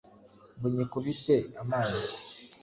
ngo nyikubite amazi